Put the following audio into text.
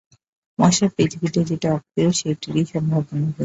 মশায়, পৃথিবীতে যেটা অপ্রিয় সেইটেরই সম্ভাবনা বেশি।